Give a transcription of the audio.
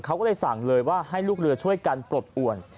เขาก็เลยสั่งเลยว่าให้ลูกเรือช่วยกันปลดอ่วน